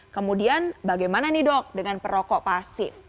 kemudian bagaimana nih dok dengan perokok pasif